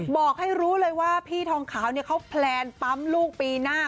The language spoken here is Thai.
บอกให้รู้เลยว่าพี่ทองขาวเขาแพลนปั๊มลูกปีหน้า